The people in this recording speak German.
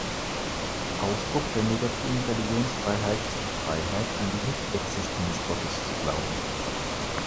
Ausdruck der negativen Religionsfreiheit ist die Freiheit, an die Nichtexistenz Gottes zu glauben.